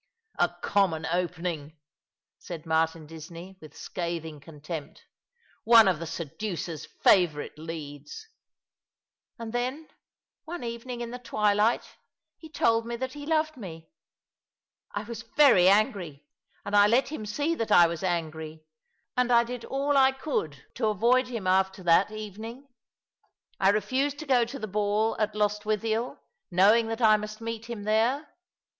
A common opening," said Martin Disney, with scathing contempt. " One of the seducer's favourite leads." *' And then, one evening in the twilight, he told me that he loved me. I was very angry — and I let him see that I was angry, and I did all I could to avoid him after 296 All along the River. that eyening. I refused to go to tlio ball at Lostwithie], knowing that I mast meet him there.